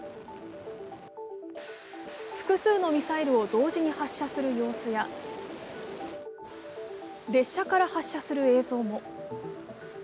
複数のミサイルを同時に発射する様子や列車から発射する映像も。